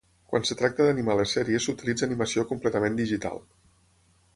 Quan es tracta d'animar les sèries, s'utilitza animació completament digital.